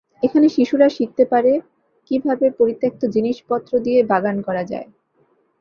এখানে শিশুরা শিখতে পারে, কীভাবে পরিত্যক্ত জিনিসপত্র দিয়ে বাগান করা যায়।